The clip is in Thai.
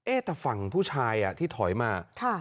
แต่ฝั่งผู้ชายที่ถอยมา